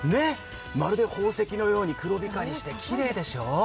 まるで宝石のように黒光りして、きれいでしょう。